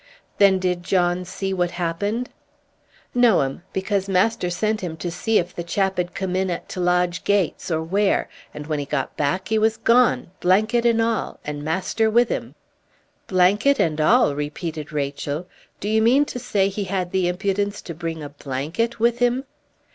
"Then did John see what happened?" "No, m'm because master sent him to see if the chap'd come in at t' lodge gates, or where, and when he got back he was gone, blanket an' all, an' master with him." "Blanket and all!" repeated Rachel. "Do you mean to say he had the impudence to bring a blanket with him?"